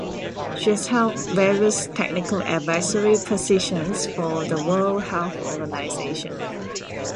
She has held various technical advisory positions for the World Health Organization.